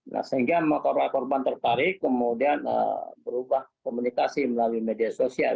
nah sehingga motor korban tertarik kemudian berubah komunikasi melalui media sosial